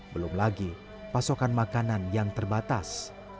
belum lagi pasokan makanan yang terbatas